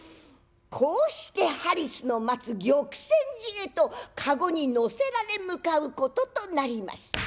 こうしてハリスの待つ玉泉寺へと駕籠に乗せられ向かうこととなります。